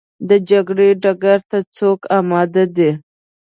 د جګړې ډګر ته څوک اماده دي؟